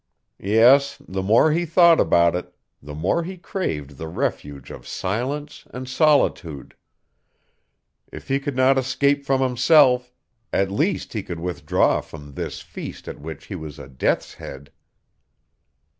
Yes, the more he thought about it, the more he craved the refuge of silence and solitude. If he could not escape from himself, at least he could withdraw from this feast at which he was a death's head.